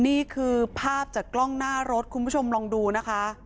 นี่คือภาพจากกล้องหน้ารถคุณผู้ชมลองดูนะคะ